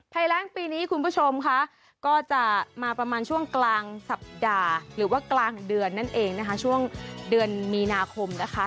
ภัยแรงปีนี้คุณผู้ชมค่ะก็จะมาประมาณช่วงกลางสัปดาห์หรือว่ากลางเดือนนั่นเองนะคะช่วงเดือนมีนาคมนะคะ